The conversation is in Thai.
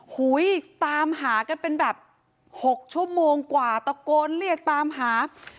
หุ้ยตามหากันเป็นแบบ๖ชั่วโมงกว่าตะโกนเรียกตามหา